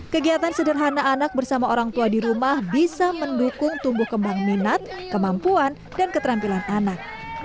kegiatan sederhana anak bersama orang tua di rumah bisa mendukung tumbuh kembang minat kemampuan dan keterampilan anak